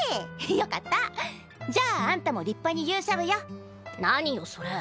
よかったじゃああんたも立派に勇者部よ何よそれ？